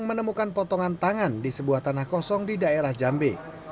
menemukan potongan tangan di sebuah tanah kosong di daerah jambe